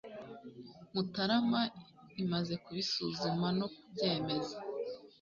Mutarama imaze kubisuzuma no kubyemeza